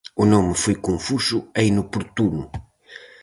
O nome foi confuso e inoportuno.